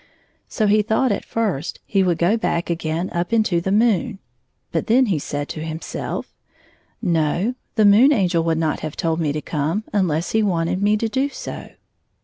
So he thought at first he would go back again up into the moon, but then he said to him self: '* No, the Moon Angel would not have told me to come unless he wanted me to do so."